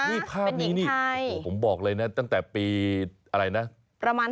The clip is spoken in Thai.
นี่ภาพนี้นี่โอ้โหผมบอกเลยนะตั้งแต่ปีอะไรนะประมาณ